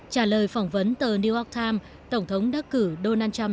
trả lời phỏng vấn tờ new york times tổng thống đắc cử donald trump